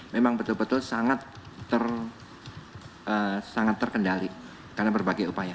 memang betul betul sangat terkendali karena berbagai upaya